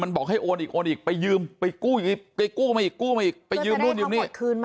มันบอกให้โอนอีกไปยืมไปกู้อีกเดี๋ยวจะได้คำวดคืนมา